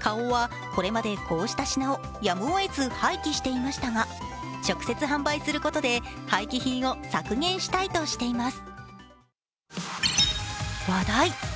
花王はこれまでこうした品をやむをえず廃棄していましたが直接販売することで廃棄品を削減したいとしています。